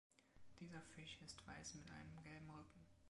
Dieser Fisch ist weiß mit einem gelben Rücken.